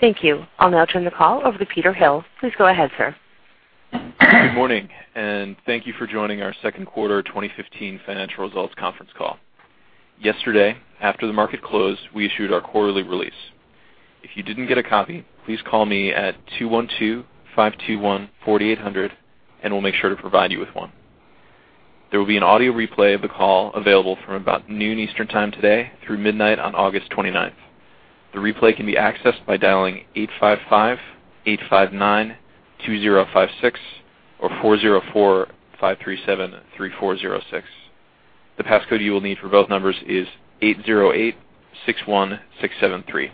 Thank you. I'll now turn the call over to Peter Hill. Please go ahead, sir. Good morning. Thank you for joining our second quarter 2015 financial results conference call. Yesterday, after the market closed, we issued our quarterly release. If you didn't get a copy, please call me at 212-521-4800 and we'll make sure to provide you with one. There will be an audio replay of the call available from about noon Eastern Time today through midnight on August 29th. The replay can be accessed by dialing 855-859-2056 or 404-537-3406. The passcode you will need for both numbers is 80861673.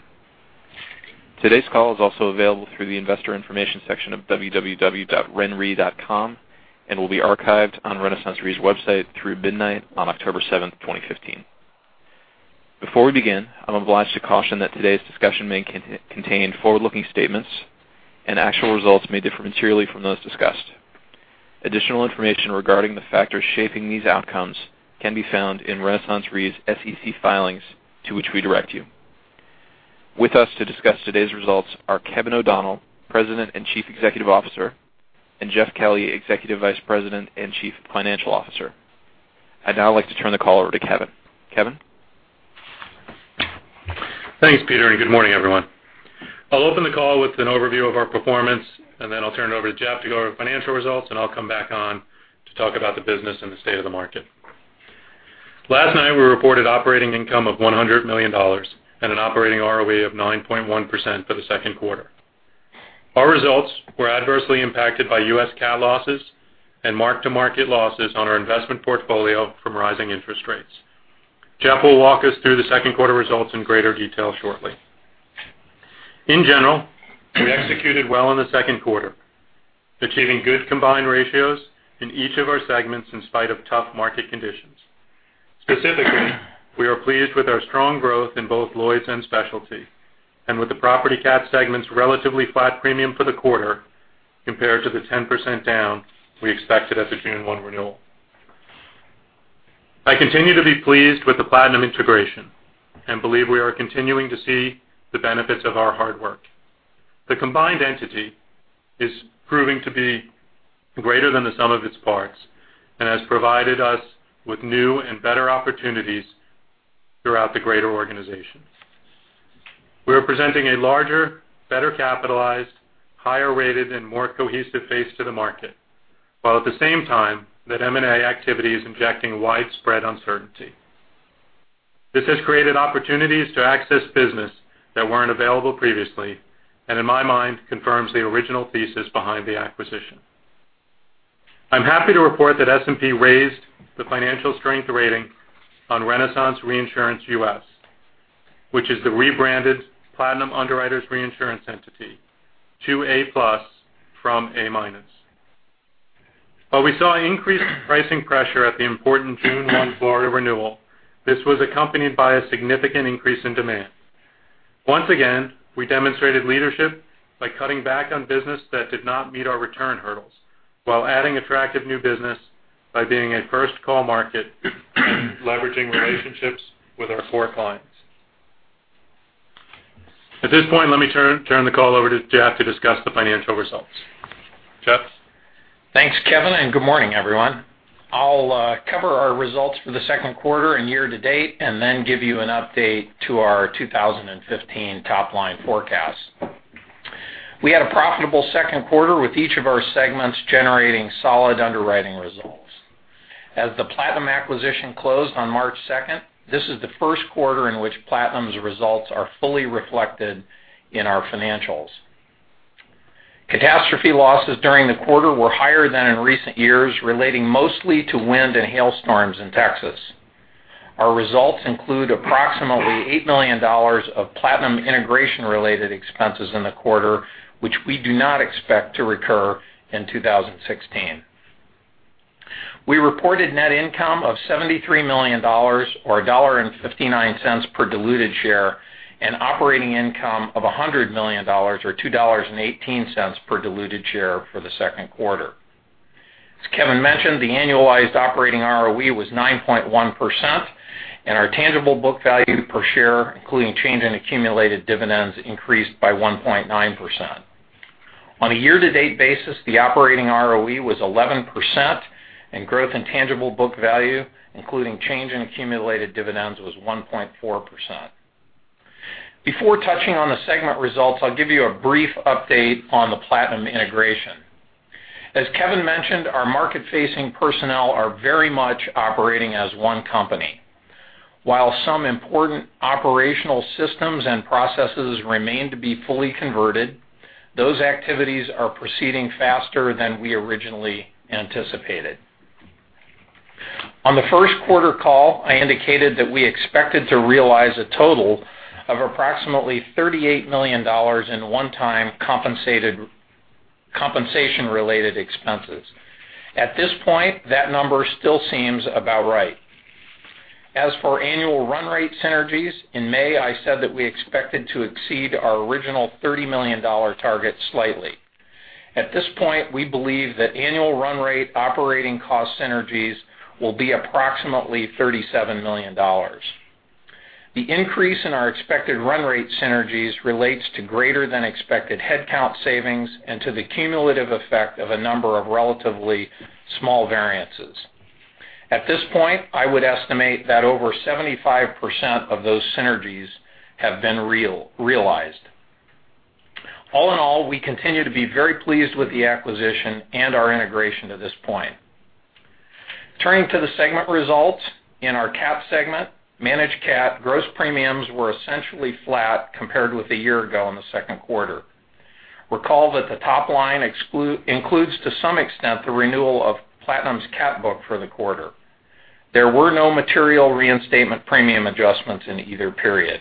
Today's call is also available through the investor information section of renre.com and will be archived on RenaissanceRe's website through midnight on October 7th, 2015. Before we begin, I'm obliged to caution that today's discussion may contain forward-looking statements and actual results may differ materially from those discussed. Additional information regarding the factors shaping these outcomes can be found in RenaissanceRe's SEC filings to which we direct you. With us to discuss today's results are Kevin O'Donnell, President and Chief Executive Officer, and Jeff Kelly, Executive Vice President and Chief Financial Officer. I'd now like to turn the call over to Kevin. Kevin? Thanks, Peter. Good morning, everyone. I'll open the call with an overview of our performance. Then I'll turn it over to Jeff to go over financial results. I'll come back on to talk about the business and the state of the market. Last night, we reported operating income of $100 million and an operating ROE of 9.1% for the second quarter. Our results were adversely impacted by U.S. cat losses and mark-to-market losses on our investment portfolio from rising interest rates. Jeff will walk us through the second quarter results in greater detail shortly. In general, we executed well in the second quarter, achieving good combined ratios in each of our segments in spite of tough market conditions. Specifically, we are pleased with our strong growth in both Lloyd's and Specialty and with the property cat segment's relatively flat premium for the quarter compared to the 10% down we expected at the June 1 renewal. I continue to be pleased with the Platinum integration and believe we are continuing to see the benefits of our hard work. The combined entity is proving to be greater than the sum of its parts and has provided us with new and better opportunities throughout the greater organization. We are presenting a larger, better capitalized, higher rated, and more cohesive face to the market, while at the same time that M&A activity is injecting widespread uncertainty. This has created opportunities to access business that weren't available previously, and in my mind, confirms the original thesis behind the acquisition. I'm happy to report that S&P raised the financial strength rating on Renaissance Reinsurance U.S., which is the rebranded Platinum Underwriters Reinsurance entity, to A+ from A-. While we saw increased pricing pressure at the important June 1 Florida renewal, this was accompanied by a significant increase in demand. Once again, we demonstrated leadership by cutting back on business that did not meet our return hurdles, while adding attractive new business by being a first-call market and leveraging relationships with our core clients. At this point, let me turn the call over to Jeff to discuss the financial results. Jeff? Thanks, Kevin. Good morning, everyone. I'll cover our results for the second quarter and year to date, then give you an update to our 2015 top-line forecast. We had a profitable second quarter with each of our segments generating solid underwriting results. As the Platinum acquisition closed on March 2nd, this is the first quarter in which Platinum's results are fully reflected in our financials. Catastrophe losses during the quarter were higher than in recent years, relating mostly to wind and hailstorms in Texas. Our results include approximately $8 million of Platinum integration related expenses in the quarter, which we do not expect to recur in 2016. We reported net income of $73 million or $1.59 per diluted share and operating income of $100 million, or $2.18 per diluted share for the second quarter. As Kevin mentioned, the annualized operating ROE was 9.1% and our tangible book value per share, including change in accumulated dividends, increased by 1.9%. On a year to date basis, the operating ROE was 11% and growth in tangible book value, including change in accumulated dividends, was 1.4%. Before touching on the segment results, I'll give you a brief update on the Platinum integration. As Kevin mentioned, our market-facing personnel are very much operating as one company. While some important operational systems and processes remain to be fully converted, those activities are proceeding faster than we originally anticipated. On the first quarter call, I indicated that we expected to realize a total of approximately $38 million in one-time compensation related expenses. At this point, that number still seems about right. As for annual run rate synergies, in May, I said that we expected to exceed our original $30 million target slightly. At this point, we believe that annual run rate operating cost synergies will be approximately $37 million. The increase in our expected run rate synergies relates to greater than expected headcount savings and to the cumulative effect of a number of relatively small variances. At this point, I would estimate that over 75% of those synergies have been realized. All in all, we continue to be very pleased with the acquisition and our integration to this point. Turning to the segment results. In our cat segment, managed cat gross premiums were essentially flat compared with a year ago in the second quarter. Recall that the top line includes, to some extent, the renewal of Platinum's cat book for the quarter. There were no material reinstatement premium adjustments in either period.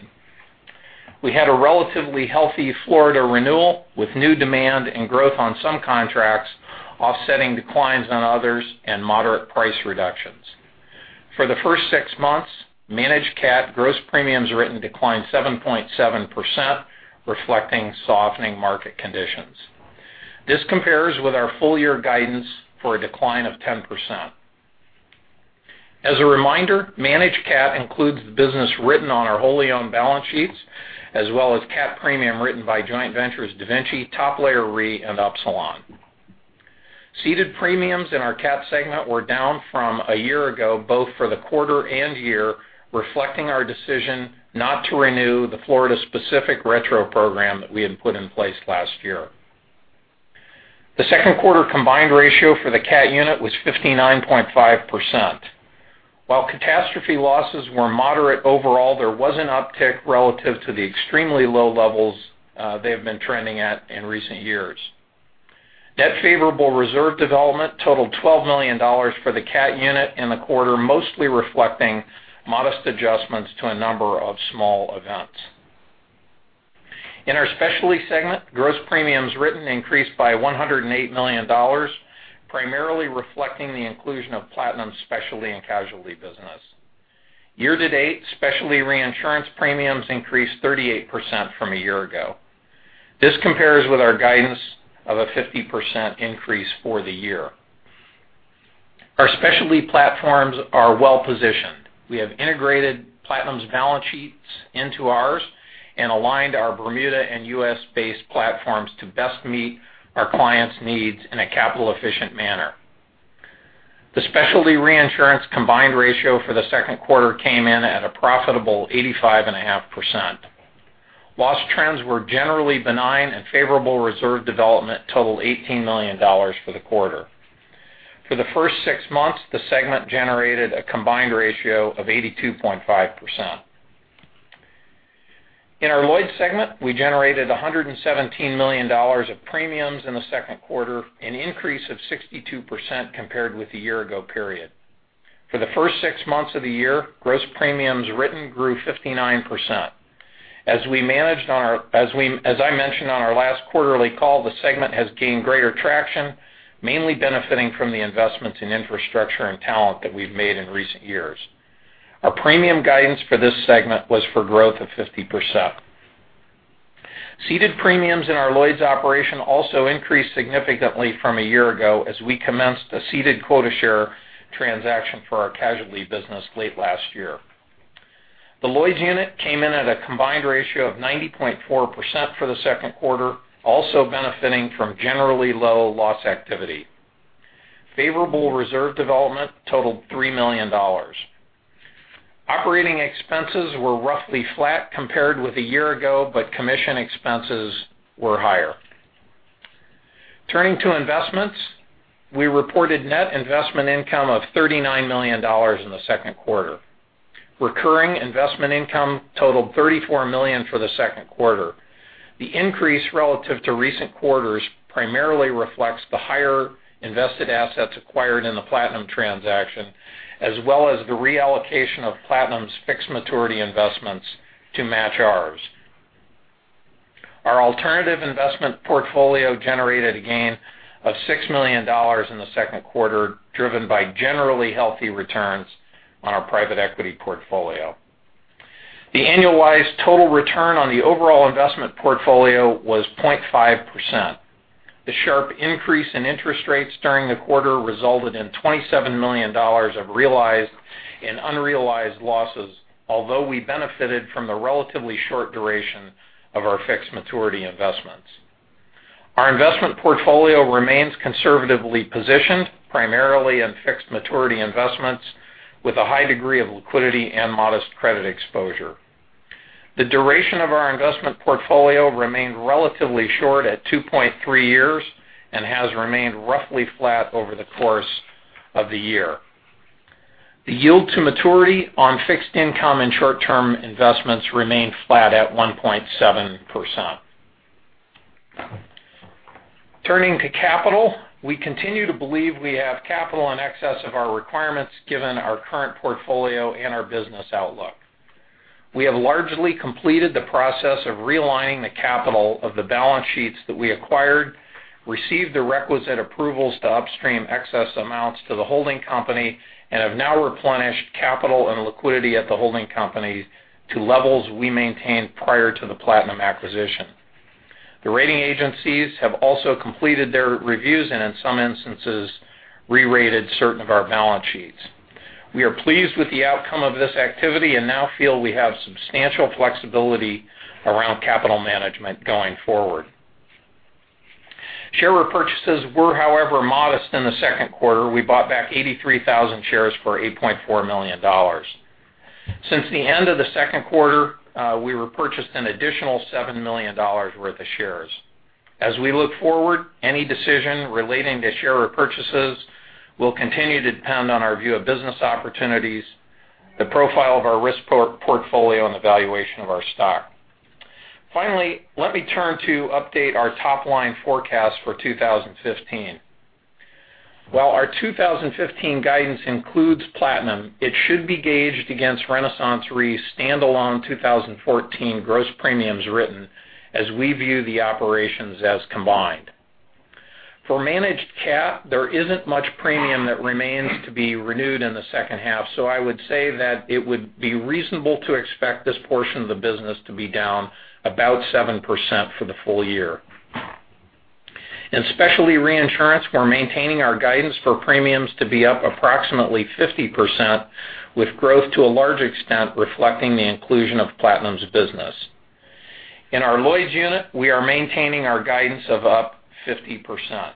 We had a relatively healthy Florida renewal, with new demand and growth on some contracts offsetting declines on others and moderate price reductions. For the first six months, managed cat gross premiums written declined 7.7%, reflecting softening market conditions. This compares with our full year guidance for a decline of 10%. As a reminder, managed cat includes the business written on our wholly owned balance sheets, as well as cat premium written by joint ventures DaVinci, Top Layer Re, and Upsilon. Ceded premiums in our cat segment were down from a year ago, both for the quarter and year, reflecting our decision not to renew the Florida specific retro program that we had put in place last year. The second quarter combined ratio for the cat unit was 59.5%. While catastrophe losses were moderate overall, there was an uptick relative to the extremely low levels they have been trending at in recent years. Net favorable reserve development totaled $12 million for the cat unit in the quarter, mostly reflecting modest adjustments to a number of small events. In our specialty segment, gross premiums written increased by $108 million, primarily reflecting the inclusion of Platinum's specialty and casualty business. Year-to-date, specialty reinsurance premiums increased 38% from a year ago. This compares with our guidance of a 50% increase for the year. Our specialty platforms are well-positioned. We have integrated Platinum's balance sheets into ours and aligned our Bermuda and U.S.-based platforms to best meet our clients' needs in a capital efficient manner. The specialty reinsurance combined ratio for the second quarter came in at a profitable 85.5%. Loss trends were generally benign, and favorable reserve development totaled $18 million for the quarter. For the first six months, the segment generated a combined ratio of 82.5%. In our Lloyd's segment, we generated $117 million of premiums in the second quarter, an increase of 62% compared with the year ago period. For the first six months of the year, gross premiums written grew 59%. As I mentioned on our last quarterly call, the segment has gained greater traction, mainly benefiting from the investments in infrastructure and talent that we've made in recent years. Our premium guidance for this segment was for growth of 50%. Ceded premiums in our Lloyd's operation also increased significantly from a year ago as we commenced a ceded quota share transaction for our casualty business late last year. The Lloyd's unit came in at a combined ratio of 90.4% for the second quarter, also benefiting from generally low loss activity. Favorable reserve development totaled $3 million. Operating expenses were roughly flat compared with a year ago, but commission expenses were higher. Turning to investments. We reported net investment income of $39 million in the second quarter. Recurring investment income totaled $34 million for the second quarter. The increase relative to recent quarters primarily reflects the higher invested assets acquired in the Platinum transaction, as well as the reallocation of Platinum's fixed maturity investments to match ours. Our alternative investment portfolio generated a gain of $6 million in the second quarter, driven by generally healthy returns on our private equity portfolio. The annualized total return on the overall investment portfolio was 0.5%. The sharp increase in interest rates during the quarter resulted in $27 million of realized and unrealized losses, although we benefited from the relatively short duration of our fixed maturity investments. Our investment portfolio remains conservatively positioned, primarily in fixed maturity investments, with a high degree of liquidity and modest credit exposure. The duration of our investment portfolio remained relatively short at 2.3 years and has remained roughly flat over the course of the year. The yield to maturity on fixed income and short-term investments remained flat at 1.7%. Turning to capital. We continue to believe we have capital in excess of our requirements given our current portfolio and our business outlook. We have largely completed the process of realigning the capital of the balance sheets that we acquired, received the requisite approvals to upstream excess amounts to the holding company, and have now replenished capital and liquidity at the holding company to levels we maintained prior to the Platinum acquisition. The rating agencies have also completed their reviews and in some instances, re-rated certain of our balance sheets. We are pleased with the outcome of this activity and now feel we have substantial flexibility around capital management going forward. Share repurchases were, however, modest in the second quarter. We bought back 83,000 shares for $8.4 million. Since the end of the second quarter, we repurchased an additional $7 million worth of shares. As we look forward, any decision relating to share repurchases will continue to depend on our view of business opportunities, the profile of our risk portfolio, and the valuation of our stock. Finally, let me turn to update our top-line forecast for 2015. While our 2015 guidance includes Platinum, it should be gauged against RenaissanceRe's standalone 2014 gross premiums written as we view the operations as combined. For managed cat, there isn't much premium that remains to be renewed in the second half, so I would say that it would be reasonable to expect this portion of the business to be down about 7% for the full year. In specialty reinsurance, we're maintaining our guidance for premiums to be up approximately 50%, with growth to a large extent reflecting the inclusion of Platinum's business. In our Lloyd's unit, we are maintaining our guidance of up 50%.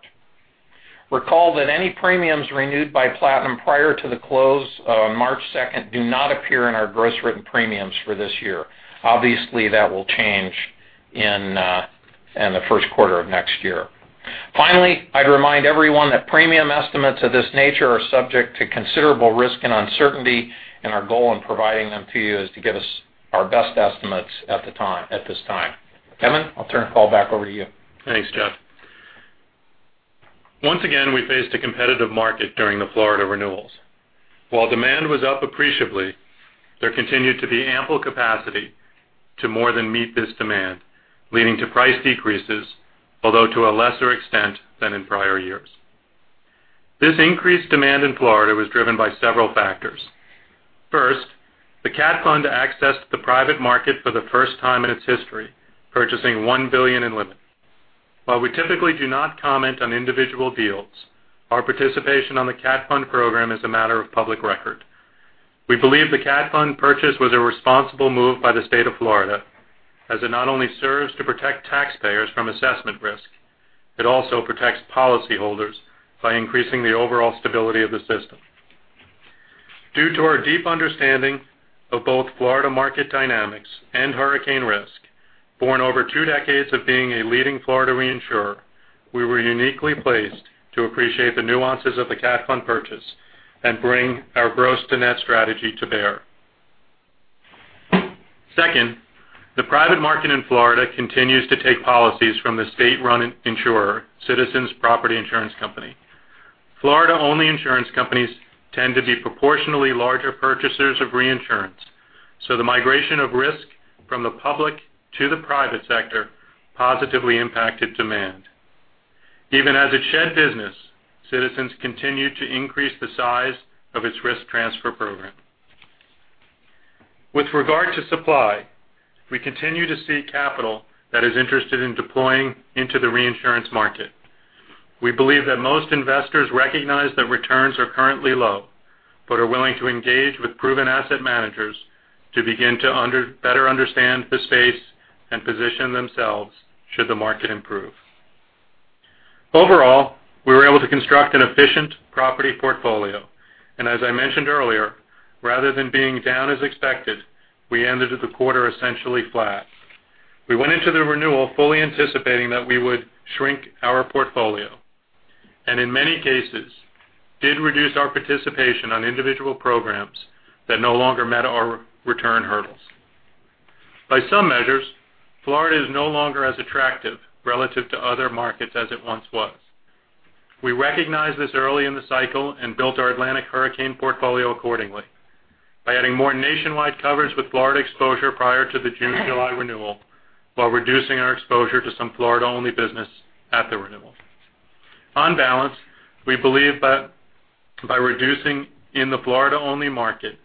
Recall that any premiums renewed by Platinum prior to the close on March 2nd do not appear in our gross written premiums for this year. Obviously, that will change in the first quarter of next year. Finally, I'd remind everyone that premium estimates of this nature are subject to considerable risk and uncertainty, and our goal in providing them to you is to give us our best estimates at this time. Kevin, I'll turn the call back over to you. Thanks, Jeff. Once again, we faced a competitive market during the Florida renewals. While demand was up appreciably, there continued to be ample capacity to more than meet this demand, leading to price decreases, although to a lesser extent than in prior years. This increased demand in Florida was driven by several factors. First, the CAT Fund accessed the private market for the first time in its history, purchasing $1 billion in limit. While we typically do not comment on individual deals, our participation on the CAT Fund program is a matter of public record. We believe the CAT Fund purchase was a responsible move by the state of Florida as it not only serves to protect taxpayers from assessment risk, it also protects policyholders by increasing the overall stability of the system. Due to our deep understanding of both Florida market dynamics and hurricane risk, born over two decades of being a leading Florida reinsurer, we were uniquely placed to appreciate the nuances of the CAT Fund purchase and bring our gross to net strategy to bear. Second, the private market in Florida continues to take policies from the state-run insurer, Citizens Property Insurance Corporation. Florida-only insurance companies tend to be proportionally larger purchasers of reinsurance, so the migration of risk from the public to the private sector positively impacted demand. Even as it shed business, Citizens continued to increase the size of its risk transfer program. With regard to supply, we continue to see capital that is interested in deploying into the reinsurance market. We believe that most investors recognize that returns are currently low, but are willing to engage with proven asset managers to begin to better understand the space and position themselves should the market improve. Overall, we were able to construct an efficient property portfolio, and as I mentioned earlier, rather than being down as expected, we ended the quarter essentially flat. We went into the renewal fully anticipating that we would shrink our portfolio, and in many cases did reduce our participation on individual programs that no longer met our return hurdles. By some measures, Florida is no longer as attractive relative to other markets as it once was. We recognized this early in the cycle and built our Atlantic hurricane portfolio accordingly by adding more nationwide coverage with Florida exposure prior to the June, July renewal while reducing our exposure to some Florida-only business at the renewal. On balance, we believe by reducing in the Florida-only market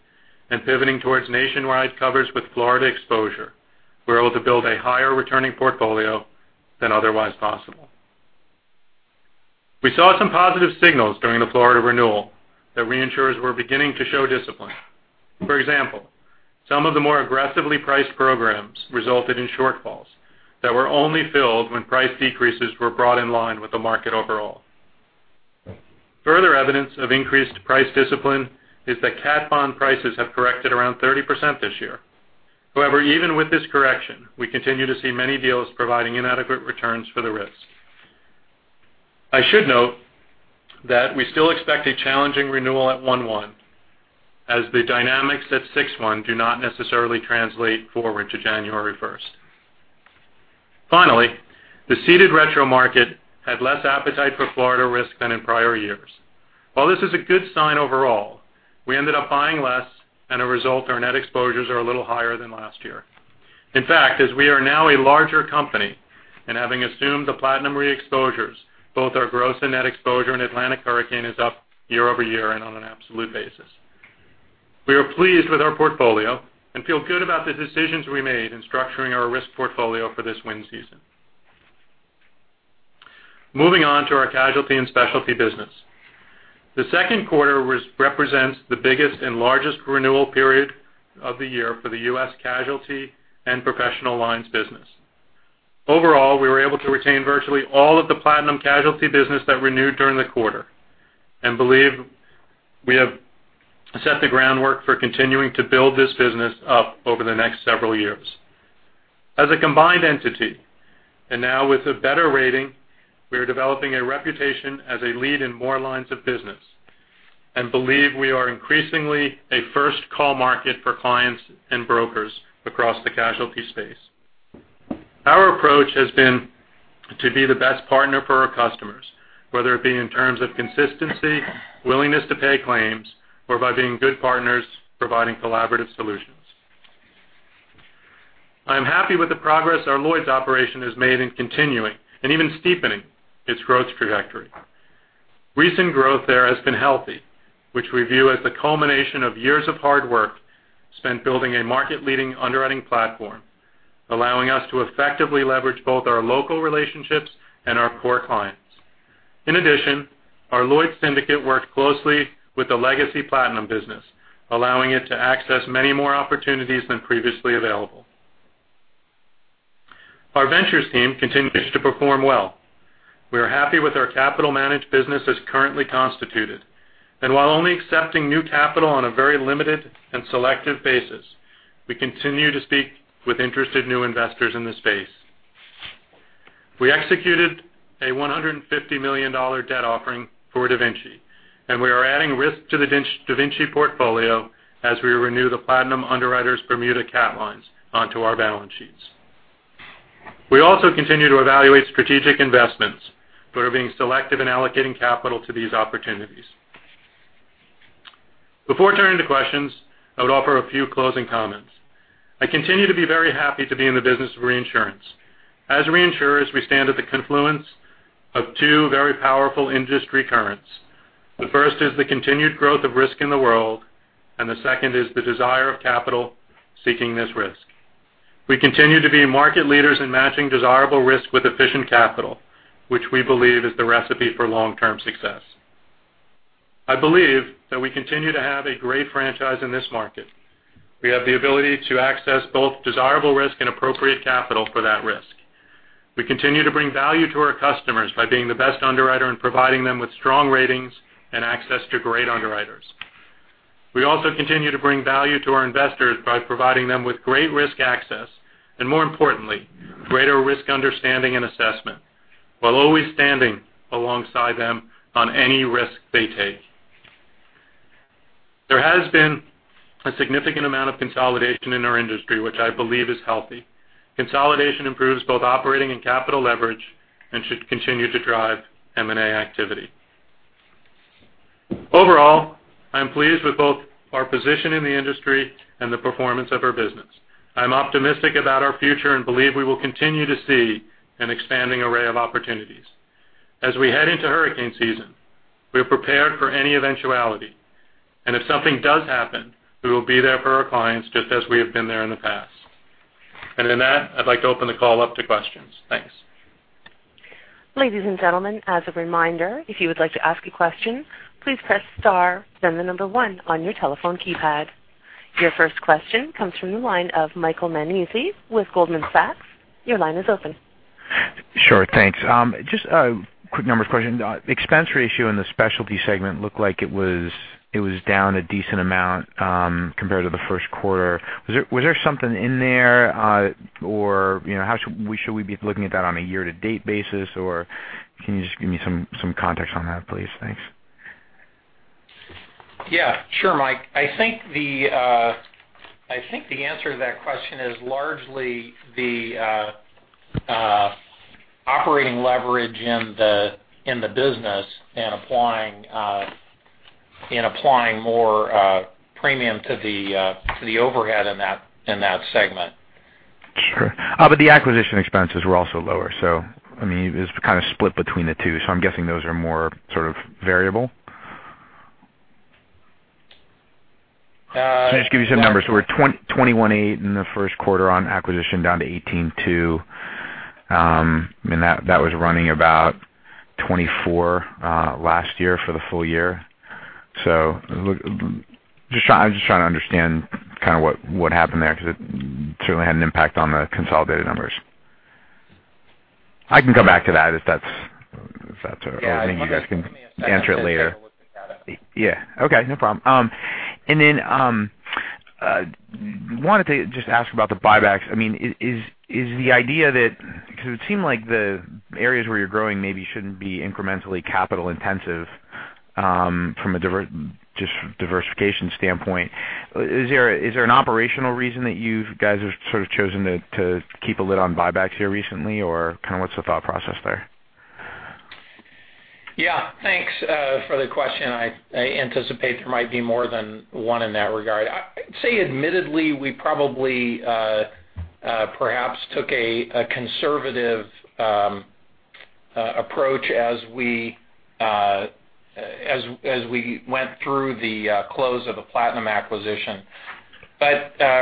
and pivoting towards nationwide coverage with Florida exposure, we're able to build a higher returning portfolio than otherwise possible. We saw some positive signals during the Florida renewal that reinsurers were beginning to show discipline. For example, some of the more aggressively priced programs resulted in shortfalls that were only filled when price decreases were brought in line with the market overall. Further evidence of increased price discipline is that CAT bond prices have corrected around 30% this year. However, even with this correction, we continue to see many deals providing inadequate returns for the risk. I should note that we still expect a challenging renewal at 1/1, as the dynamics at 6/1 do not necessarily translate forward to January 1st. Finally, the ceded retro market had less appetite for Florida risk than in prior years. While this is a good sign overall, we ended up buying less and a result, our net exposures are a little higher than last year. In fact, as we are now a larger company and having assumed the PlatinumRe exposures, both our gross and net exposure in Atlantic hurricane is up year-over-year and on an absolute basis. We are pleased with our portfolio and feel good about the decisions we made in structuring our risk portfolio for this wind season. Moving on to our casualty and specialty business. The second quarter represents the biggest and largest renewal period of the year for the U.S. casualty and professional lines business. Overall, we were able to retain virtually all of the Platinum casualty business that renewed during the quarter, and believe we have set the groundwork for continuing to build this business up over the next several years. As a combined entity, now with a better rating, we are developing a reputation as a lead in more lines of business, and believe we are increasingly a first-call market for clients and brokers across the casualty space. Our approach has been to be the best partner for our customers, whether it be in terms of consistency, willingness to pay claims, or by being good partners, providing collaborative solutions. I am happy with the progress our Lloyd's operation has made in continuing and even steepening its growth trajectory. Recent growth there has been healthy, which we view as the culmination of years of hard work spent building a market-leading underwriting platform, allowing us to effectively leverage both our local relationships and our core clients. In addition, our Lloyd's syndicate worked closely with the legacy Platinum business, allowing it to access many more opportunities than previously available. Our ventures team continues to perform well. We are happy with our capital managed business as currently constituted. While only accepting new capital on a very limited and selective basis, we continue to speak with interested new investors in the space. We executed a $150 million debt offering for DaVinci, we are adding risk to the DaVinci portfolio as we renew the Platinum Underwriter's Bermuda cat lines onto our balance sheets. We also continue to evaluate strategic investments, are being selective in allocating capital to these opportunities. Before turning to questions, I would offer a few closing comments. I continue to be very happy to be in the business of reinsurance. As reinsurers, we stand at the confluence of two very powerful industry currents. The first is the continued growth of risk in the world, and the second is the desire of capital seeking this risk. We continue to be market leaders in matching desirable risk with efficient capital, which we believe is the recipe for long-term success. I believe that we continue to have a great franchise in this market. We have the ability to access both desirable risk and appropriate capital for that risk. We continue to bring value to our customers by being the best underwriter and providing them with strong ratings and access to great underwriters. We also continue to bring value to our investors by providing them with great risk access, and more importantly, greater risk understanding and assessment, while always standing alongside them on any risk they take. There has been a significant amount of consolidation in our industry, which I believe is healthy. Consolidation improves both operating and capital leverage and should continue to drive M&A activity. Overall, I am pleased with both our position in the industry and the performance of our business. I'm optimistic about our future and believe we will continue to see an expanding array of opportunities. If something does happen, we will be there for our clients just as we have been there in the past. In that, I'd like to open the call up to questions. Thanks. Ladies and gentlemen, as a reminder, if you would like to ask a question, please press star, then the number 1 on your telephone keypad. Your first question comes from the line of Michael Nannizzi with Goldman Sachs. Your line is open. Sure. Thanks. Just a quick number of questions. Expense ratio in the specialty segment looked like it was down a decent amount compared to the first quarter. Was there something in there? Should we be looking at that on a year-to-date basis? Can you just give me some context on that, please? Thanks. Yeah. Sure, Mike. I think the answer to that question is largely the operating leverage in the business and applying more premium to the overhead in that segment. Sure. The acquisition expenses were also lower. It was kind of split between the two. I'm guessing those are more sort of variable. Uh- Just give you some numbers. We're at $218 in the first quarter on acquisition down to $182. That was running about $24 last year for the full year. I'm just trying to understand kind of what happened there because it certainly had an impact on the consolidated numbers. I can come back to that if that's all right. You guys can answer it later. Give me a second to take a look at that. Yeah. Okay. No problem. Wanted to just ask about the buybacks. It seemed like the areas where you're growing maybe shouldn't be incrementally capital intensive from a diversification standpoint. Is there an operational reason that you guys have sort of chosen to keep a lid on buybacks here recently, or kind of what's the thought process there? Yeah. Thanks for the question. I anticipate there might be more than one in that regard. I'd say admittedly, we probably perhaps took a conservative Approach as we went through the close of the Platinum acquisition.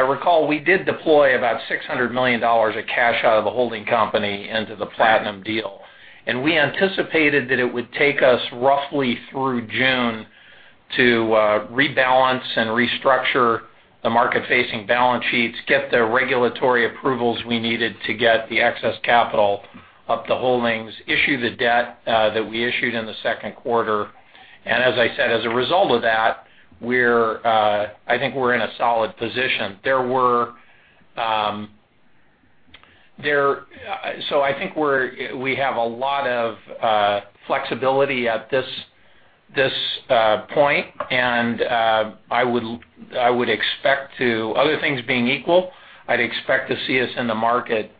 Recall, we did deploy about $600 million of cash out of the holding company into the Platinum deal. We anticipated that it would take us roughly through June to rebalance and restructure the market-facing balance sheets, get the regulatory approvals we needed to get the excess capital up the holdings, issue the debt that we issued in the second quarter. As I said, as a result of that, I think we're in a solid position. I think we have a lot of flexibility at this point, and other things being equal, I'd expect to see us in the market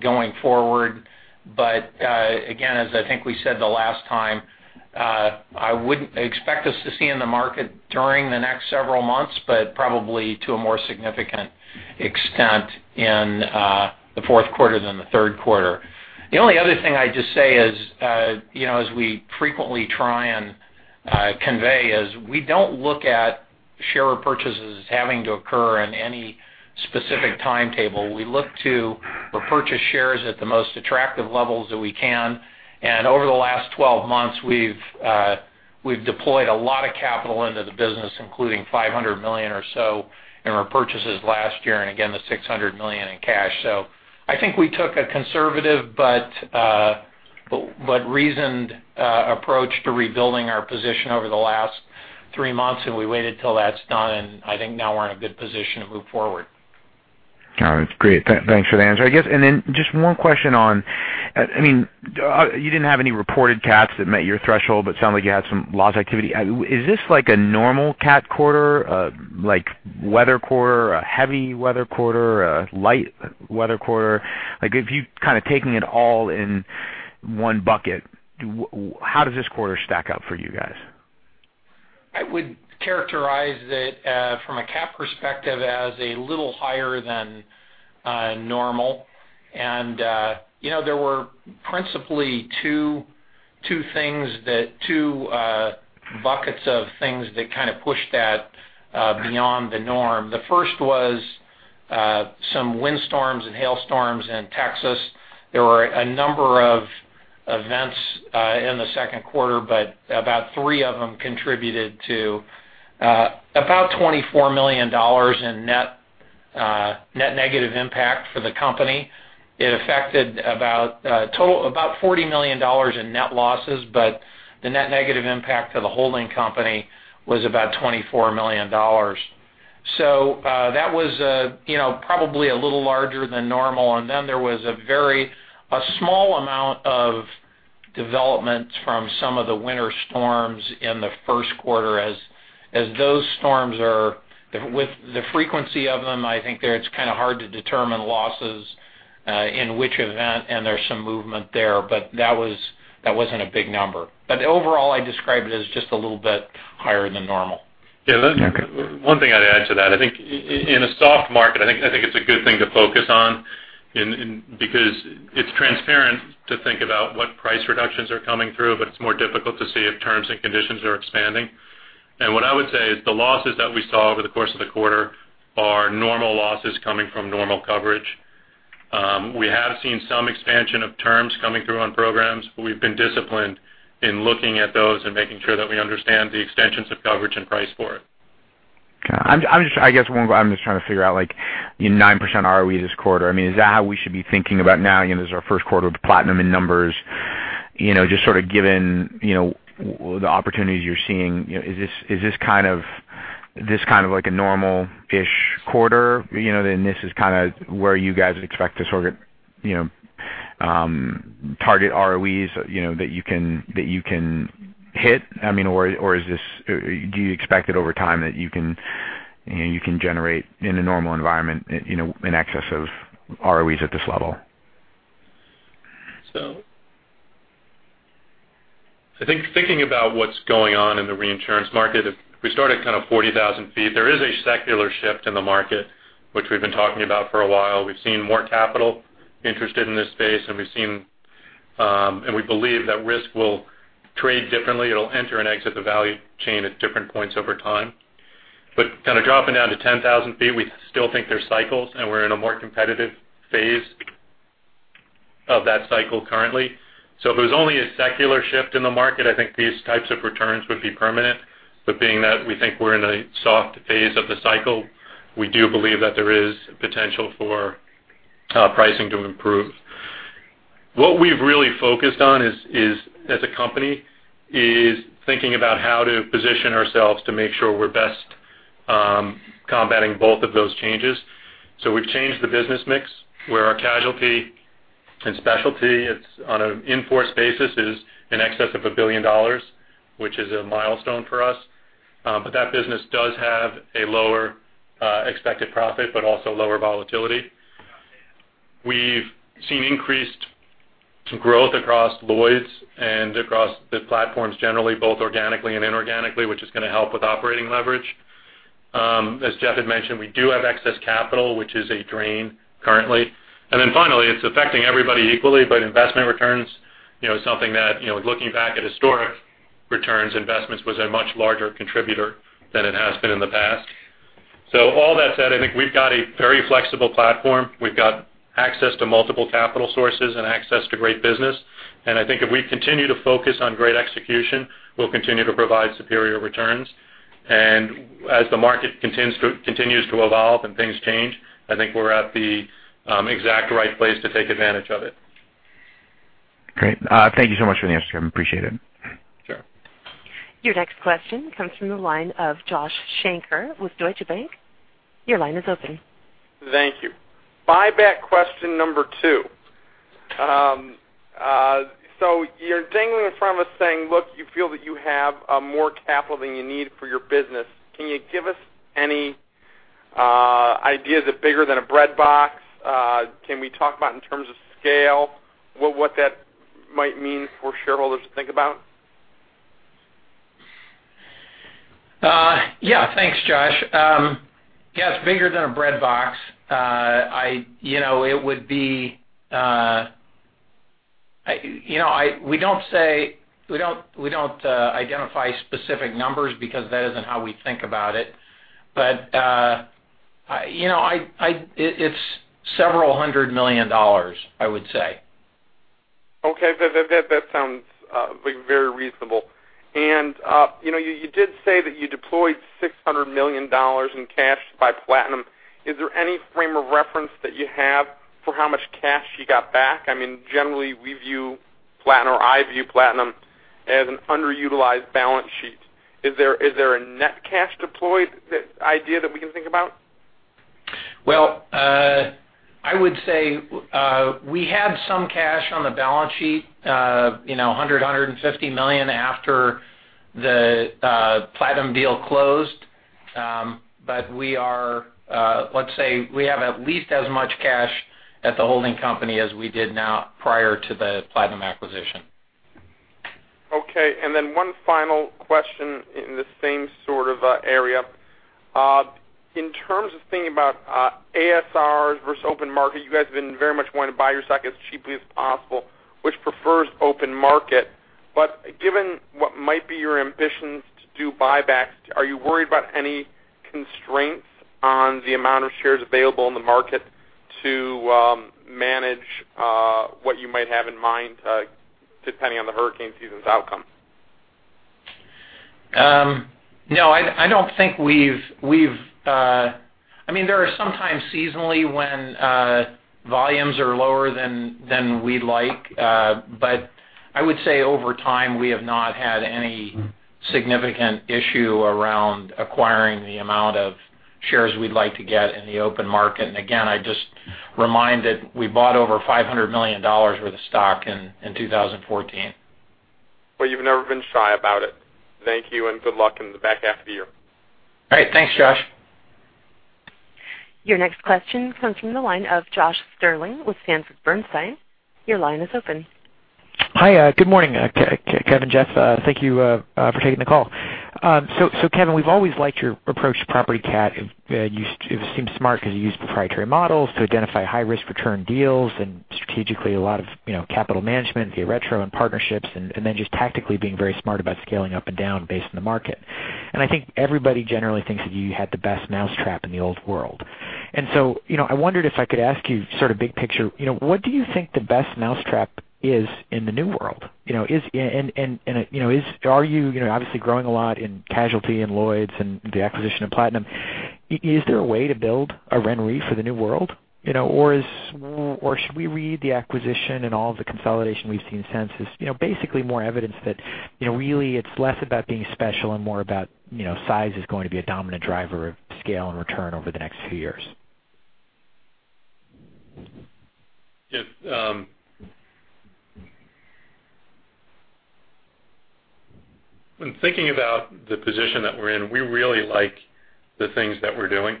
going forward. Again, as I think we said the last time, I wouldn't expect us to see in the market during the next several months, but probably to a more significant extent in the fourth quarter than the third quarter. The only other thing I'd just say is, as we frequently try and convey, is we don't look at share repurchases as having to occur in any specific timetable. We look to repurchase shares at the most attractive levels that we can. Over the last 12 months, we've deployed a lot of capital into the business, including $500 million or so in repurchases last year, and again, the $600 million in cash. I think we took a conservative but reasoned approach to rebuilding our position over the last 3 months, and we waited till that's done, and I think now we're in a good position to move forward. Got it. Great. Thanks for the answer. I guess, just one question on, you didn't have any reported cats that met your threshold, but it sounded like you had some loss activity. Is this like a normal cat quarter, like weather quarter, a heavy weather quarter, a light weather quarter? If you kind of taking it all in one bucket, how does this quarter stack up for you guys? I would characterize it from a cat perspective as a little higher than normal. There were principally two buckets of things that kind of pushed that beyond the norm. The first was some windstorms and hailstorms in Texas. There were a number of events in the second quarter, about three of them contributed to about $24 million in net negative impact for the company. It affected about $40 million in net losses, the net negative impact to the holding company was about $24 million. That was probably a little larger than normal, and then there was a small amount of development from some of the winter storms in the first quarter as those storms are with the frequency of them, I think that it's kind of hard to determine losses in which event, and there's some movement there. That wasn't a big number. Overall, I describe it as just a little bit higher than normal. Yeah. One thing I'd add to that, I think in a soft market, I think it's a good thing to focus on because it's transparent to think about what price reductions are coming through, it's more difficult to see if terms and conditions are expanding. What I would say is the losses that we saw over the course of the quarter are normal losses coming from normal coverage. We have seen some expansion of terms coming through on programs. We've been disciplined in looking at those and making sure that we understand the extensions of coverage and price for it. Got it. I guess I'm just trying to figure out, like in 9% ROE this quarter, is that how we should be thinking about now? This is our first quarter with Platinum in numbers just sort of given the opportunities you're seeing. Is this kind of like a normal-ish quarter, this is kind of where you guys expect to sort of target ROEs that you can hit? Or do you expect it over time that you can generate in a normal environment in excess of ROEs at this level? I think thinking about what's going on in the reinsurance market, if we start at kind of 40,000 feet, there is a secular shift in the market, which we've been talking about for a while. We've seen more capital interested in this space, and we believe that risk will trade differently. It'll enter and exit the value chain at different points over time. Kind of dropping down to 10,000 feet, we still think there's cycles, and we're in a more competitive phase of that cycle currently. If it was only a secular shift in the market, I think these types of returns would be permanent. Being that we think we're in a soft phase of the cycle, we do believe that there is potential for pricing to improve. What we've really focused on as a company is thinking about how to position ourselves to make sure we're best combating both of those changes. We've changed the business mix where our casualty and specialty, it's on an in-force basis, is in excess of $1 billion, which is a milestone for us. That business does have a lower expected profit, but also lower volatility. We've seen increased growth across Lloyd's and across the platforms generally, both organically and inorganically, which is going to help with operating leverage. As Jeff had mentioned, we do have excess capital, which is a drain currently. Finally, it's affecting everybody equally, investment returns, something that, looking back at historic returns, investments was a much larger contributor than it has been in the past. All that said, I think we've got a very flexible platform. We've got access to multiple capital sources and access to great business, I think if we continue to focus on great execution, we'll continue to provide superior returns. As the market continues to evolve and things change, I think we're at the exact right place to take advantage of it. Great. Thank you so much for the answer, Kevin. Appreciate it. Sure. Your next question comes from the line of Joshua Shanker with Deutsche Bank. Your line is open. Thank you. Buyback question number 2. You're dangling in front of us saying, look, you feel that you have more capital than you need for your business. Can you give us any idea? Is it bigger than a breadbox? Can we talk about in terms of scale, what that might mean for shareholders to think about? Yeah. Thanks, Josh. Yeah, it's bigger than a breadbox. We don't identify specific numbers because that isn't how we think about it. It's $ several hundred million, I would say. Okay. That sounds very reasonable. You did say that you deployed $600 million in cash to buy Platinum. Is there any frame of reference that you have for how much cash you got back? I mean, generally, we view Platinum, or I view Platinum as an underutilized balance sheet. Is there a net cash deployed idea that we can think about? Well, I would say we had some cash on the balance sheet, $100 million-$150 million after the Platinum deal closed. Let's say we have at least as much cash at the holding company as we did now prior to the Platinum acquisition. Okay. One final question in the same sort of area. In terms of thinking about ASRs versus open market, you guys have been very much wanting to buy your stock as cheaply as possible, which prefers open market. Given what might be your ambitions to do buybacks, are you worried about any constraints on the amount of shares available in the market to manage what you might have in mind, depending on the hurricane season's outcome? No, I don't think there are some times seasonally when volumes are lower than we'd like. I would say over time, we have not had any significant issue around acquiring the amount of shares we'd like to get in the open market. Again, I just remind that we bought over $500 million worth of stock in 2014. Well, you've never been shy about it. Thank you, and good luck in the back half of the year. Great. Thanks, Josh. Your next question comes from the line of Josh Stirling with Sanford Bernstein. Your line is open. Hi. Good morning, Kevin, Jeff. Thank you for taking the call. Kevin, we've always liked your approach to property cat. It seems smart because you use proprietary models to identify high risk return deals and strategically a lot of capital management via retro and partnerships, and then just tactically being very smart about scaling up and down based on the market. I think everybody generally thinks that you had the best mousetrap in the old world. I wondered if I could ask you sort of big picture, what do you think the best mousetrap is in the new world? Are you obviously growing a lot in casualty and Lloyd's and the acquisition of Platinum? Is there a way to build a RenRe for the new world? Should we read the acquisition and all the consolidation we've seen since as basically more evidence that really it's less about being special and more about size is going to be a dominant driver of scale and return over the next few years? When thinking about the position that we're in, we really like the things that we're doing.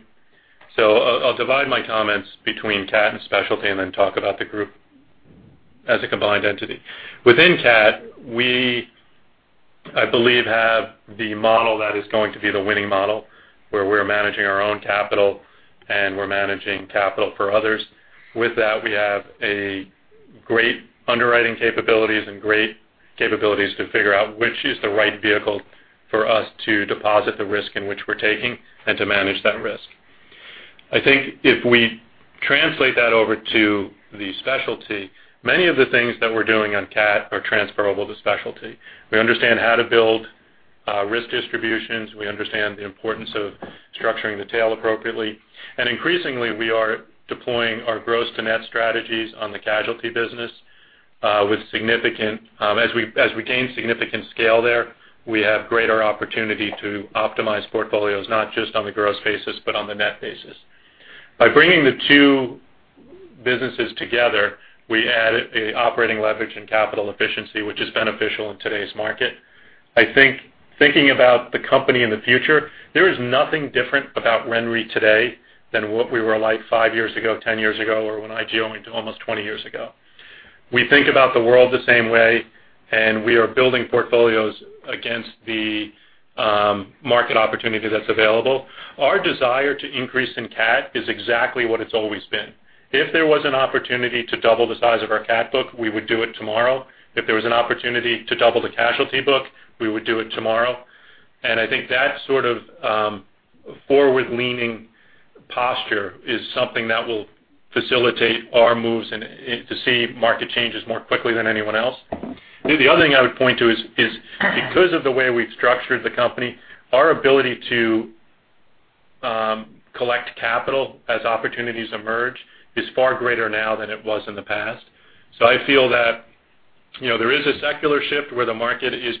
I'll divide my comments between CAT and specialty and then talk about the group as a combined entity. Within CAT, we, I believe, have the model that is going to be the winning model, where we're managing our own capital and we're managing capital for others. With that, we have a great underwriting capabilities and great capabilities to figure out which is the right vehicle for us to deposit the risk in which we're taking and to manage that risk. I think if we translate that over to the specialty, many of the things that we're doing on CAT are transferable to specialty. We understand how to build risk distributions. We understand the importance of structuring the tail appropriately. Increasingly, we are deploying our gross to net strategies on the casualty business. As we gain significant scale there, we have greater opportunity to optimize portfolios, not just on the gross basis, but on the net basis. By bringing the two businesses together, we added operating leverage and capital efficiency, which is beneficial in today's market. I think thinking about the company in the future, there is nothing different about RenaissanceRe today than what we were like five years ago, 10 years ago, or when I joined almost 20 years ago. We think about the world the same way. We are building portfolios against the market opportunity that's available. Our desire to increase in CAT is exactly what it's always been. If there was an opportunity to double the size of our CAT book, we would do it tomorrow. If there was an opportunity to double the casualty book, we would do it tomorrow. I think that sort of forward-leaning posture is something that will facilitate our moves and to see market changes more quickly than anyone else. Maybe the other thing I would point to is because of the way we've structured the company, our ability to collect capital as opportunities emerge is far greater now than it was in the past. I feel that there is a secular shift where the market is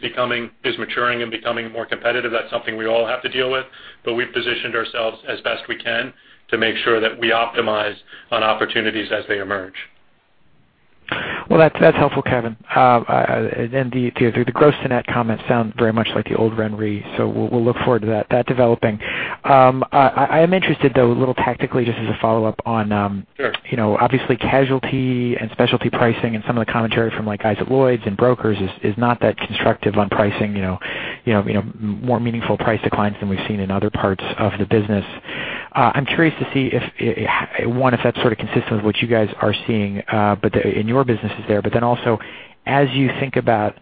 maturing and becoming more competitive. That's something we all have to deal with. We've positioned ourselves as best we can to make sure that we optimize on opportunities as they emerge. Well, that's helpful, Kevin. The gross to net comments sound very much like the old RenaissanceRe. We'll look forward to that developing. I am interested though, a little tactically, just as a follow-up on- Sure Obviously casualty and specialty pricing and some of the commentary from guys at Lloyd's and brokers is not that constructive on pricing, more meaningful price declines than we've seen in other parts of the business. I'm curious to see, one, if that's sort of consistent with what you guys are seeing in your businesses there. Also as you think about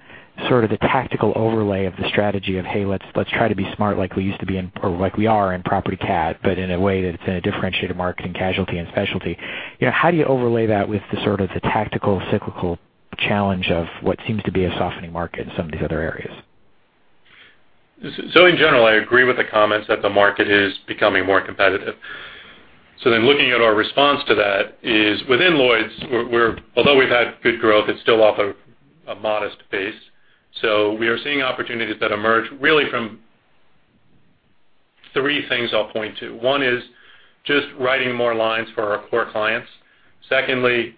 sort of the tactical overlay of the strategy of, hey, let's try to be smart like we are in property CAT, but in a way that it's in a differentiated market in casualty and specialty. How do you overlay that with the sort of the tactical cyclical challenge of what seems to be a softening market in some of these other areas? In general, I agree with the comments that the market is becoming more competitive. Looking at our response to that is within Lloyd's, although we've had good growth, it's still off a modest base. We are seeing opportunities that emerge really from three things I'll point to. One is just writing more lines for our core clients. Secondly,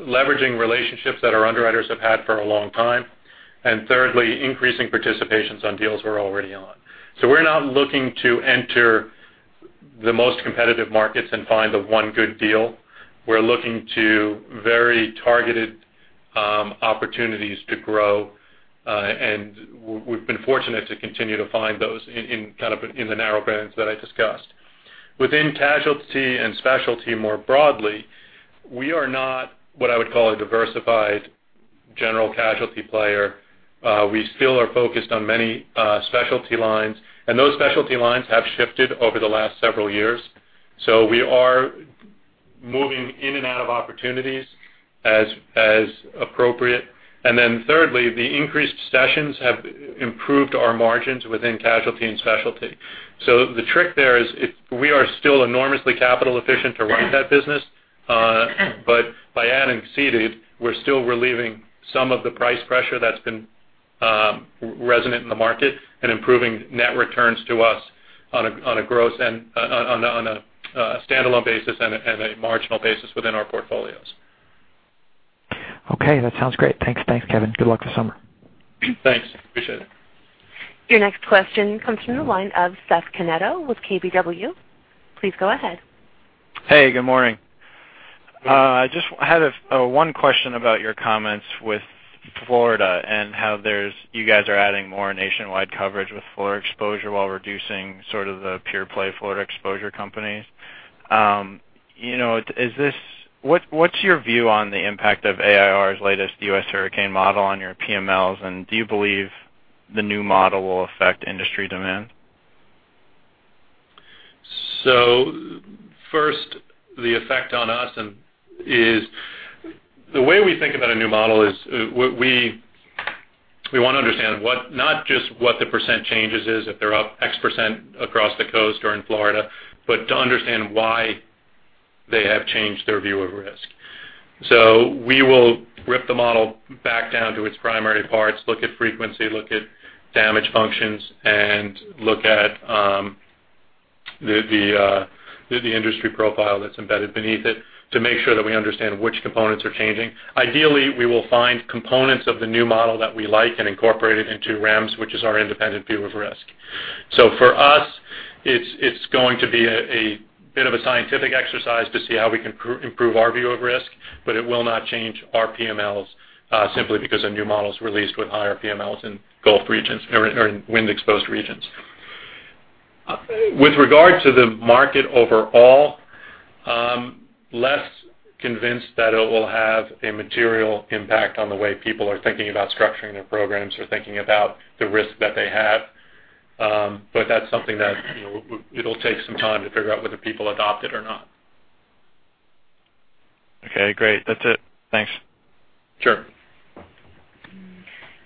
leveraging relationships that our underwriters have had for a long time. Thirdly, increasing participations on deals we're already on. We're not looking to enter the most competitive markets and find the one good deal. We're looking to very targeted opportunities to grow. We've been fortunate to continue to find those in kind of in the narrow bands that I discussed. Within casualty and specialty more broadly, we are not what I would call a diversified general casualty player. We still are focused on many specialty lines, and those specialty lines have shifted over the last several years. We are moving in and out of opportunities as appropriate. Thirdly, the increased cessions have improved our margins within casualty and specialty. The trick there is we are still enormously capital efficient to run that business. By adding ceded, we're still relieving some of the price pressure that's been resonant in the market and improving net returns to us on a standalone basis and a marginal basis within our portfolios. Okay. That sounds great. Thanks. Thanks, Kevin. Good luck this summer. Thanks. Appreciate it. Your next question comes from the line of Meyer Shields with KBW. Please go ahead. Hey, good morning. Good morning. I just had one question about your comments with Florida and how you guys are adding more nationwide coverage with Florida exposure while reducing sort of the pure play Florida exposure companies. What's your view on the impact of AIR's latest U.S. hurricane model on your PMLs, and do you believe the new model will affect industry demand? First, the effect on us is the way we think about a new model is we want to understand not just what the percent changes is, if they're up X% across the coast or in Florida, but to understand why they have changed their view of risk. We will rip the model back down to its primary parts, look at frequency, look at damage functions, and look at the industry profile that's embedded beneath it to make sure that we understand which components are changing. Ideally, we will find components of the new model that we like and incorporate it into REMS, which is our independent view of risk. For us, it's going to be a bit of a scientific exercise to see how we can improve our view of risk, but it will not change our PMLs simply because a new model's released with higher PMLs in Gulf regions or in wind exposed regions. With regard to the market overall, less convinced that it will have a material impact on the way people are thinking about structuring their programs or thinking about the risk that they have. That's something that it'll take some time to figure out whether people adopt it or not. Okay, great. That's it. Thanks. Sure.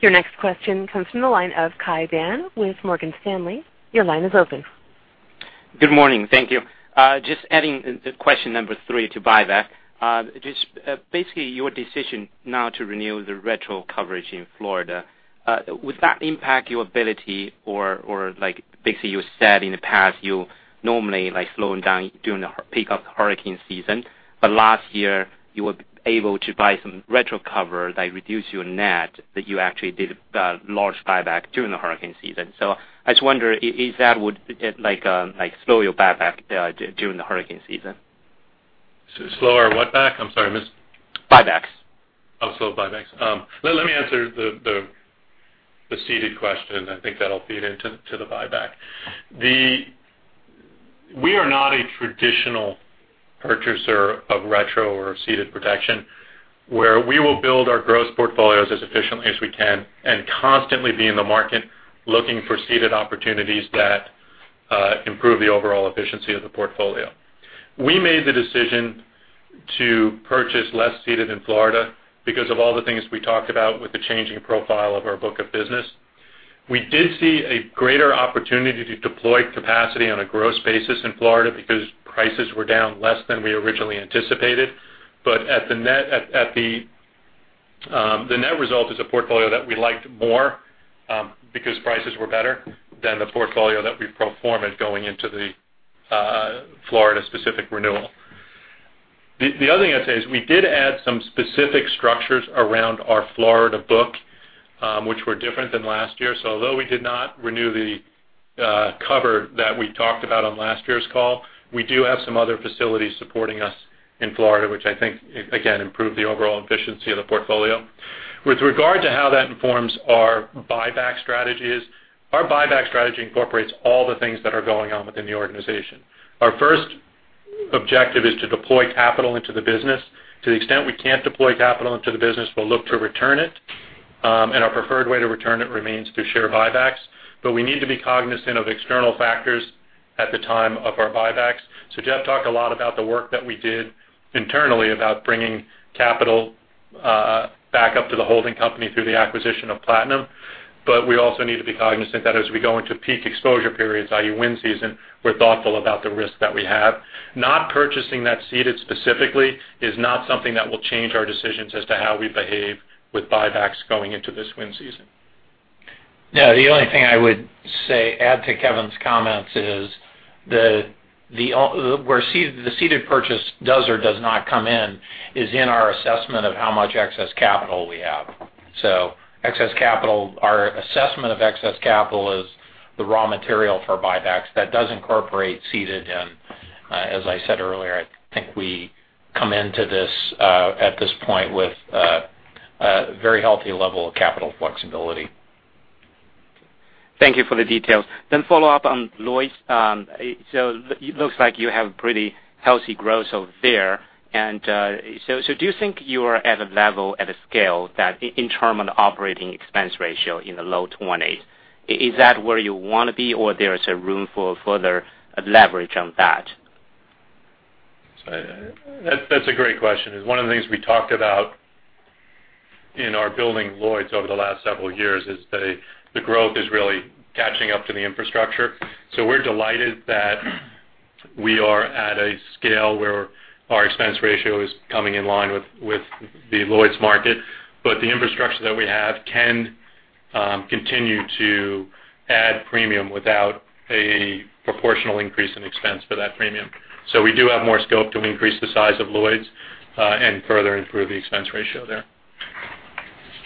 Your next question comes from the line of Kai Pan with Morgan Stanley. Your line is open. Good morning. Thank you. Just adding the question number 3 to buyback. Just basically your decision now to renew the retro coverage in Florida, would that impact your ability or like basically you said in the past, you normally like slowing down during the peak of hurricane season, but last year you were able to buy some retro cover that reduce your net, that you actually did a large buyback during the hurricane season. I just wonder if that would slow your buyback during the hurricane season? Slower what back? I'm sorry, I missed- Buybacks. Slow buybacks. Let me answer the ceded question. I think that'll feed into the buyback. We are not a traditional purchaser of retro or ceded protection, where we will build our gross portfolios as efficiently as we can and constantly be in the market looking for ceded opportunities that improve the overall efficiency of the portfolio. We made the decision to purchase less ceded in Florida because of all the things we talked about with the changing profile of our book of business. We did see a greater opportunity to deploy capacity on a gross basis in Florida because prices were down less than we originally anticipated. The net result is a portfolio that we liked more because prices were better than the portfolio that we pro forma-d going into the Florida specific renewal. The other thing I'd say is we did add some specific structures around our Florida book which were different than last year. Although we did not renew the cover that we talked about on last year's call, we do have some other facilities supporting us in Florida, which I think, again, improve the overall efficiency of the portfolio. With regard to how that informs our buyback strategies, our buyback strategy incorporates all the things that are going on within the organization. Our first objective is to deploy capital into the business. To the extent we can't deploy capital into the business, we'll look to return it. Our preferred way to return it remains through share buybacks. We need to be cognizant of external factors at the time of our buybacks. Jeff talked a lot about the work that we did internally about bringing capital back up to the holding company through the acquisition of Platinum. We also need to be cognizant that as we go into peak exposure periods, i.e. wind season, we're thoughtful about the risk that we have. Not purchasing that ceded specifically is not something that will change our decisions as to how we behave with buybacks going into this wind season. The only thing I would say add to Kevin's comments is the ceded purchase does or does not come in is in our assessment of how much excess capital we have. Our assessment of excess capital is the raw material for buybacks. That does incorporate ceded in. As I said earlier, I think we come into this at this point with a very healthy level of capital flexibility. Thank you for the details. Follow up on Lloyd's. Looks like you have pretty healthy growth over there. Do you think you are at a level, at a scale that in term of operating expense ratio in the low 20s, is that where you want to be, or there is a room for further leverage on that? That's a great question. It's one of the things we talked about in our building Lloyd's over the last several years is the growth is really catching up to the infrastructure. We're delighted that we are at a scale where our expense ratio is coming in line with the Lloyd's market. The infrastructure that we have can continue to add premium without a proportional increase in expense for that premium. We do have more scope to increase the size of Lloyd's, and further improve the expense ratio there.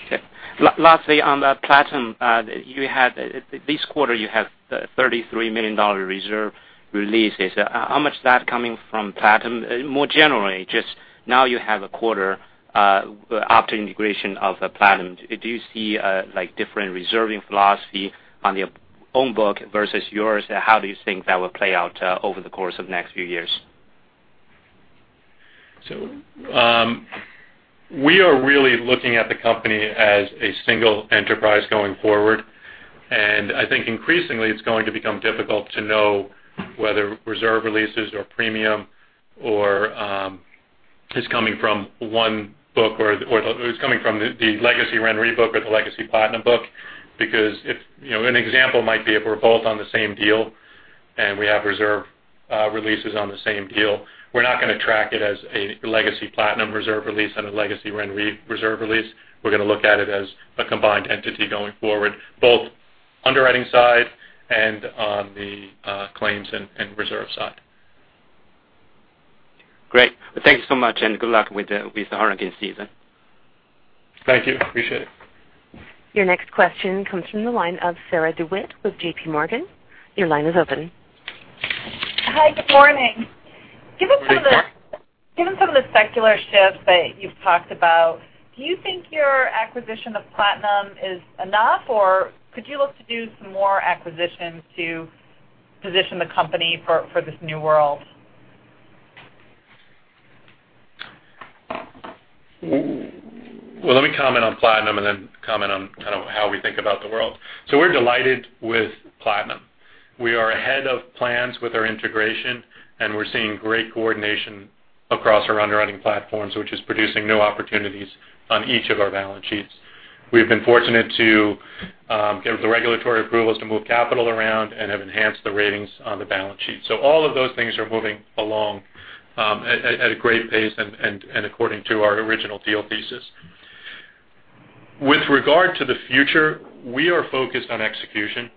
Okay. Lastly, on the Platinum, this quarter you have $33 million reserve releases. How much of that coming from Platinum? More generally, just now you have a quarter after integration of Platinum. Do you see different reserving philosophy on your own book versus yours? How do you think that will play out over the course of next few years? We are really looking at the company as a single enterprise going forward, and I think increasingly it's going to become difficult to know whether reserve releases or premium or is coming from one book, or it's coming from the legacy RenRe book or the legacy Platinum book. An example might be if we're both on the same deal and we have reserve releases on the same deal, we're not going to track it as a legacy Platinum reserve release and a legacy RenRe reserve release. We're going to look at it as a combined entity going forward, both underwriting side and on the claims and reserve side. Great. Thank you so much. Good luck with the hurricane season. Thank you. Appreciate it. Your next question comes from the line of Sarah DeWitt with JPMorgan. Your line is open. Hi, good morning. Good morning. Given some of the secular shifts that you've talked about, do you think your acquisition of Platinum is enough, or could you look to do some more acquisitions to position the company for this new world? Well, let me comment on Platinum and then comment on kind of how we think about the world. We're delighted with Platinum. We are ahead of plans with our integration, and we're seeing great coordination across our underwriting platforms, which is producing new opportunities on each of our balance sheets. We've been fortunate to get the regulatory approvals to move capital around and have enhanced the ratings on the balance sheet. All of those things are moving along at a great pace and according to our original deal thesis. With regard to the future, we are focused on execution,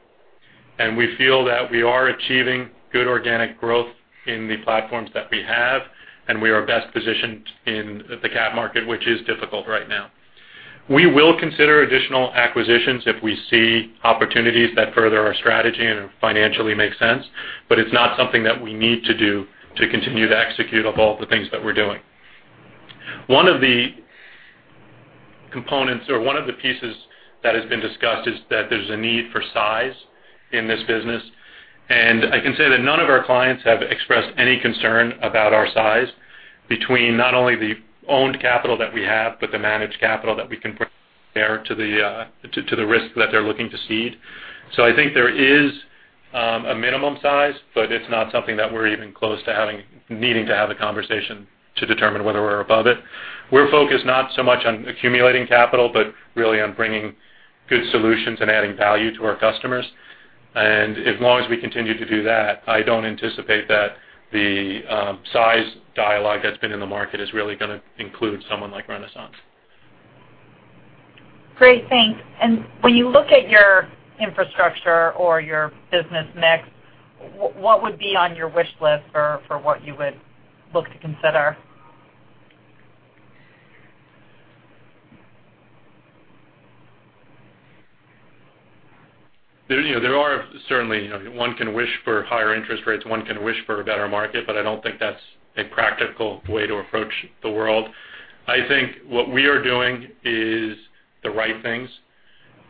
and we feel that we are achieving good organic growth in the platforms that we have, and we are best positioned in the cat market, which is difficult right now. We will consider additional acquisitions if we see opportunities that further our strategy and financially make sense. It's not something that we need to do to continue to execute off all the things that we're doing. One of the components or one of the pieces that has been discussed is that there's a need for size in this business. I can say that none of our clients have expressed any concern about our size between not only the owned capital that we have, but the managed capital that we can bring to bear to the risk that they're looking to cede. I think there is a minimum size, but it's not something that we're even close to needing to have a conversation to determine whether we're above it. We're focused not so much on accumulating capital, but really on bringing good solutions and adding value to our customers. As long as we continue to do that, I don't anticipate that the size dialogue that's been in the market is really going to include someone like RenaissanceRe. Great, thanks. When you look at your infrastructure or your business mix, what would be on your wish list for what you would look to consider? There are certainly, one can wish for higher interest rates, one can wish for a better market, but I don't think that's a practical way to approach the world. I think what we are doing is the right things.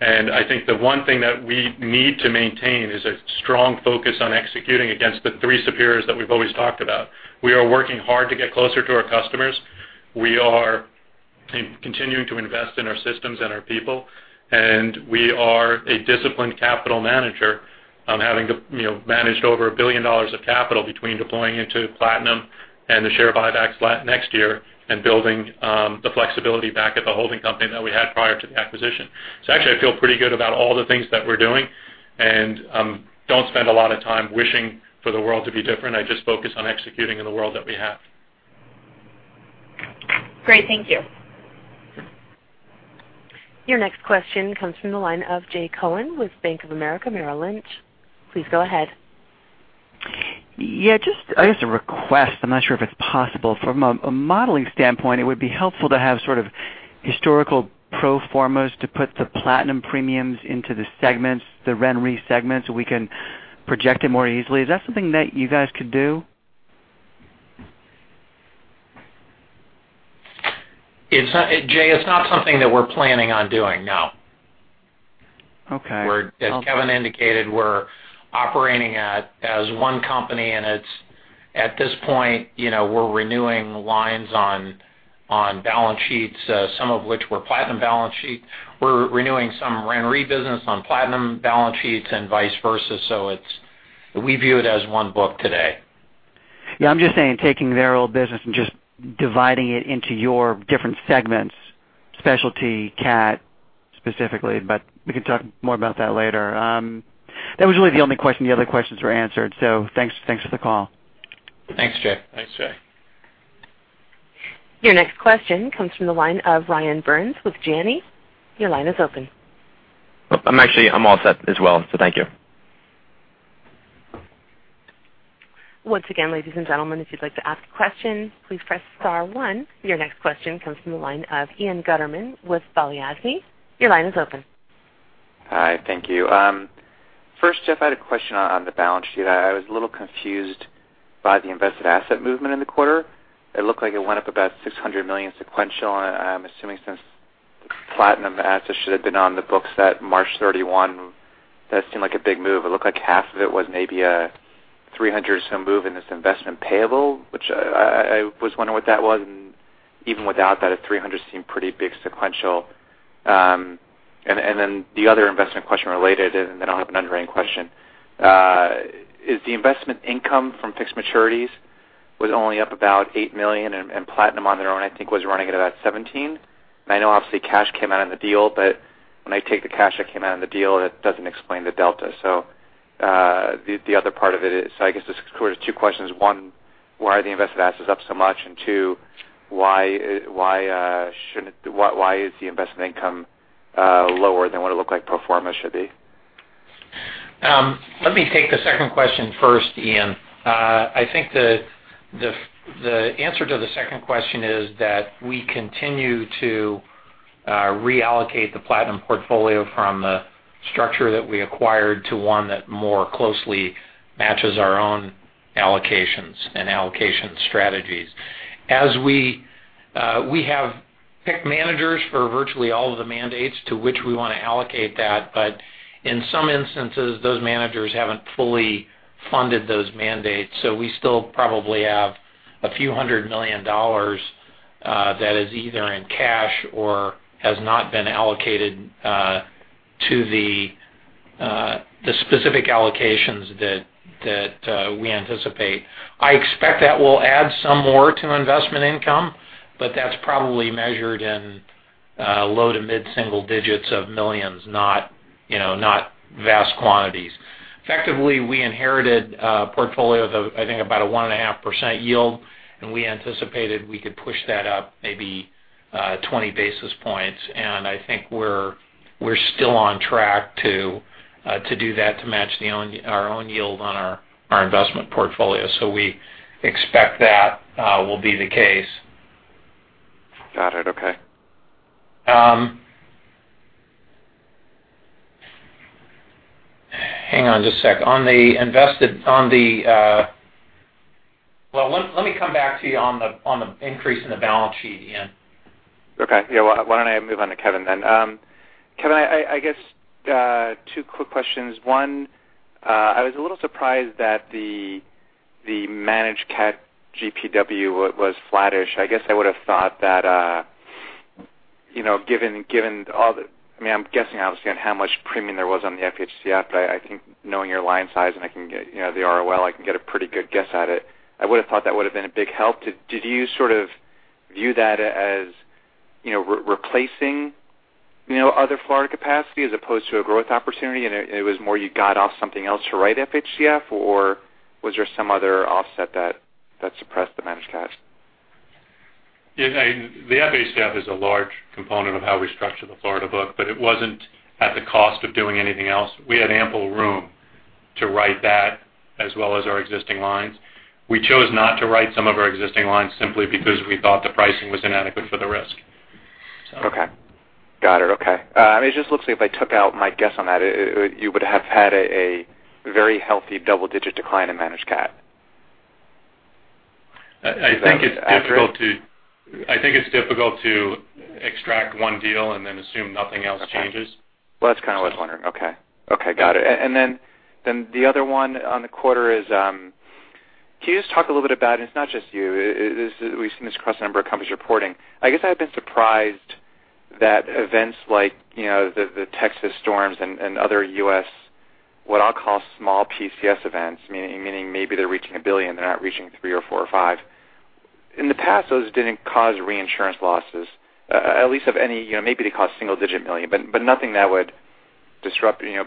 I think the one thing that we need to maintain is a strong focus on executing against the three superiors that we've always talked about. We are working hard to get closer to our customers. We are continuing to invest in our systems and our people, and we are a disciplined capital manager, having managed over $1 billion of capital between deploying into Platinum and the share buybacks next year and building the flexibility back at the holding company that we had prior to the acquisition. Actually, I feel pretty good about all the things that we're doing and don't spend a lot of time wishing for the world to be different. I just focus on executing in the world that we have. Great. Thank you. Your next question comes from the line of Jay Cohen with Bank of America Merrill Lynch. Please go ahead. Yeah. Just, I guess, a request. I'm not sure if it's possible. From a modeling standpoint, it would be helpful to have sort of historical pro formas to put the Platinum premiums into the segments, the RenRe segments, so we can project it more easily. Is that something that you guys could do? Jay, it's not something that we're planning on doing, no. Okay. As Kevin indicated, we're operating as one company, and at this point we're renewing lines on balance sheets, some of which were Platinum balance sheets. We're renewing some RenRe business on Platinum balance sheets and vice versa. We view it as one book today. Yeah, I'm just saying, taking their old business and just dividing it into your different segments, specialty cat specifically, but we can talk more about that later. That was really the only question. The other questions were answered, so thanks for the call. Thanks, Jay. Your next question comes from the line of Ryan Byrnes with Janney. Your line is open. Actually, I'm all set as well, so thank you. Once again, ladies and gentlemen, if you'd like to ask questions, please press star one. Your next question comes from the line of Ian Gutterman with Balyasny. Your line is open. Hi. Thank you. First, Jeff, I had a question on the balance sheet. I was a little confused by the invested asset movement in the quarter. It looked like it went up about $600 million sequential. I'm assuming since Platinum assets should have been on the books at March 31, that seemed like a big move. It looked like half of it was maybe a 300-some move in this investment payable, which I was wondering what that was. Even without that, a $300 seemed pretty big sequential. The other investment question related, I'll have an underwriting question. Is the investment income from fixed maturities was only up about $8 million, and Platinum on their own, I think, was running at about $17. I know obviously cash came out in the deal, but when I take the cash that came out in the deal, that doesn't explain the delta. The other part of it is, I guess there's two questions. One, why are the invested assets up so much? Two, why is the investment income lower than what it looked like pro forma should be? Let me take the second question first, Ian. I think the answer to the second question is that we continue to reallocate the Platinum portfolio from the structure that we acquired to one that more closely matches our own allocations and allocation strategies. We have picked managers for virtually all of the mandates to which we want to allocate that. But in some instances, those managers haven't fully funded those mandates. We still probably have a few hundred million dollars that is either in cash or has not been allocated to the specific allocations that we anticipate. I expect that we'll add some more to investment income, but that's probably measured in low to mid-single digits of millions, not vast quantities. Effectively, we inherited a portfolio of, I think, about a one-and-a-half % yield, and we anticipated we could push that up maybe 20 basis points. I think we're We're still on track to do that, to match our own yield on our investment portfolio. We expect that will be the case. Got it. Okay. Hang on just a sec. Let me come back to you on the increase in the balance sheet, Ian. Okay. Yeah. Why don't I move on to Kevin then? Kevin, I guess two quick questions. One, I was a little surprised that the managed cat GPW was flattish. I guess I would've thought that, given all the I'm guessing, obviously, on how much premium there was on the FHCF, but I think knowing your line size and the ROL, I can get a pretty good guess at it. I would've thought that would've been a big help. Did you sort of view that as replacing other Florida capacity as opposed to a growth opportunity, and it was more you got off something else to write FHCF, or was there some other offset that suppressed the managed cats? Yeah. The FHCF is a large component of how we structure the Florida book, but it wasn't at the cost of doing anything else. We had ample room to write that as well as our existing lines. We chose not to write some of our existing lines simply because we thought the pricing was inadequate for the risk. Okay. Got it. Okay. It just looks like if I took out my guess on that, you would have had a very healthy double-digit decline in managed cat. I think it's difficult to extract one deal and then assume nothing else changes. Okay. Well, that's kind of what I was wondering. Okay. Got it. The other one on the quarter is, can you just talk a little bit about, and it's not just you, we've seen this across a number of companies reporting. I guess I've been surprised that events like the Texas storms and other U.S., what I'll call small PCS events, meaning maybe they're reaching $1 billion, they're not reaching three or four or five. In the past, those didn't cause reinsurance losses. At least of any, maybe they cost single-digit million, but nothing that would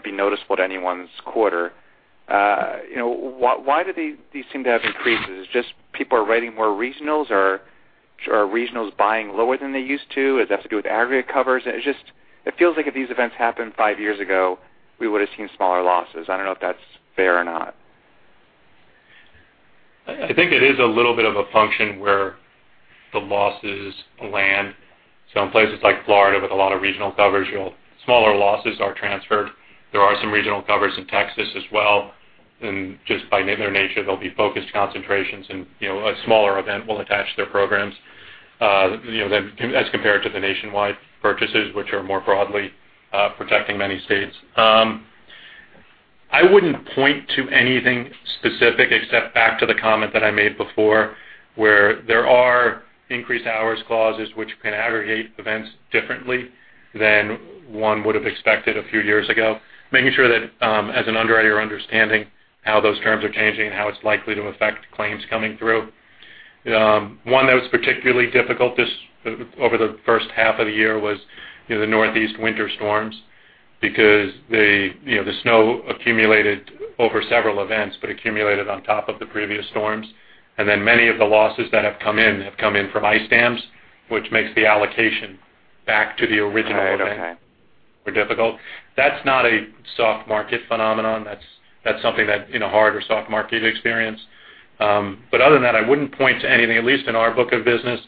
be noticeable to anyone's quarter. Why do these seem to have increases? Is it just people are writing more regionals? Are regionals buying lower than they used to? Does it have to do with aggregate covers? It feels like if these events happened five years ago, we would've seen smaller losses. I don't know if that's fair or not. I think it is a little bit of a function where the losses land. In places like Florida with a lot of regional coverage, smaller losses are transferred. There are some regional covers in Texas as well, and just by their nature, there'll be focused concentrations, and a smaller event will attach to their programs, as compared to the nationwide purchases, which are more broadly protecting many states. I wouldn't point to anything specific except back to the comment that I made before, where there are increased hours clauses which can aggregate events differently than one would've expected a few years ago. Making sure that as an underwriter, understanding how those terms are changing and how it's likely to affect claims coming through. One that was particularly difficult over the first half of the year was the Northeast winter storms because the snow accumulated over several events, but accumulated on top of the previous storms. Many of the losses that have come in have come in from ice dams, which makes the allocation back to the original event. Oh, okay more difficult. That's not a soft market phenomenon. That's something that hard or soft market experience. Other than that, I wouldn't point to anything, at least in our book of business,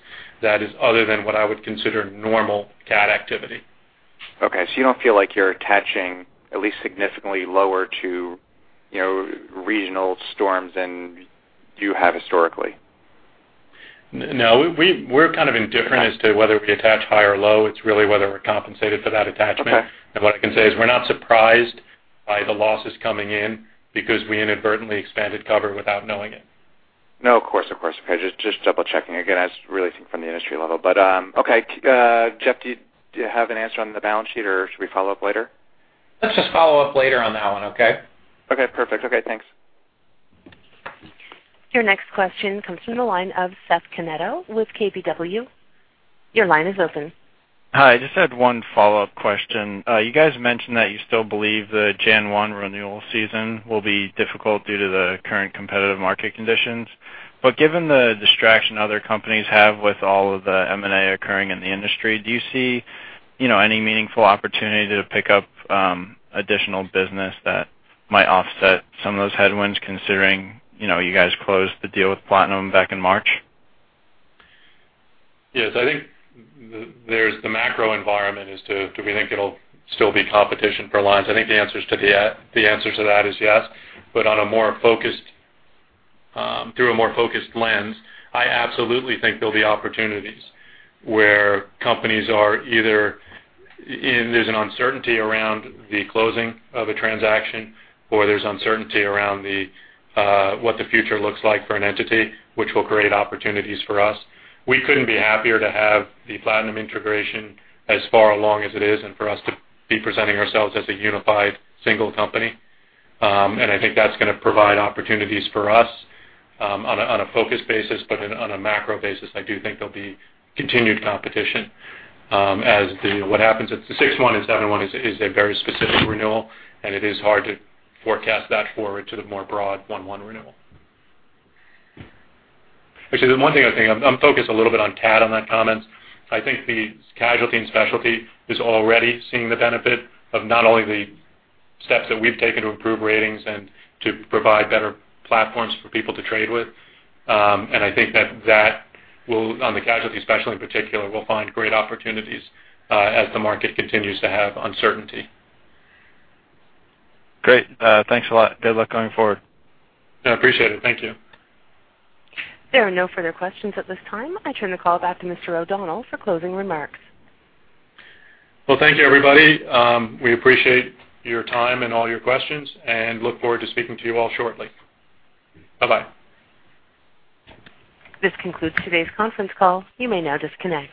that is other than what I would consider normal cat activity. Okay. You don't feel like you're attaching at least significantly lower to regional storms than you have historically? No, we're kind of indifferent as to whether we attach high or low. It's really whether we're compensated for that attachment. Okay. What I can say is we're not surprised by the losses coming in because we inadvertently expanded cover without knowing it. No, of course. Okay. Just double checking. Again, I just really think from the industry level. Okay. Jeff, do you have an answer on the balance sheet, or should we follow up later? Let's just follow up later on that one, okay? Okay, perfect. Okay, thanks. Your next question comes from the line of Meyer Shields with KBW. Your line is open. Hi, I just had one follow-up question. You guys mentioned that you still believe the January one renewal season will be difficult due to the current competitive market conditions. Given the distraction other companies have with all of the M&A occurring in the industry, do you see any meaningful opportunity to pick up additional business that might offset some of those headwinds considering you guys closed the deal with Platinum back in March? Yes, I think there's the macro environment as to do we think it'll still be competition for lines. I think the answer to that is yes, through a more focused lens. I absolutely think there'll be opportunities where companies are either, there's an uncertainty around the closing of a transaction, or there's uncertainty around what the future looks like for an entity, which will create opportunities for us. We couldn't be happier to have the Platinum integration as far along as it is, and for us to be presenting ourselves as a unified single company. I think that's going to provide opportunities for us, on a focused basis, on a macro basis, I do think there'll be continued competition. As what happens at the June one and July one is a very specific renewal, and it is hard to forecast that forward to the more broad January one renewal. Actually, the one thing I was thinking, I'm focused a little bit on cat on that comment. I think the casualty and specialty is already seeing the benefit of not only the steps that we've taken to improve ratings and to provide better platforms for people to trade with. I think that that will, on the casualty specialty in particular, will find great opportunities, as the market continues to have uncertainty. Great. Thanks a lot. Good luck going forward. Yeah, appreciate it. Thank you. There are no further questions at this time. I turn the call back to Mr. O'Donnell for closing remarks. Well, thank you everybody. We appreciate your time and all your questions, and look forward to speaking to you all shortly. Bye-bye. This concludes today's conference call. You may now disconnect.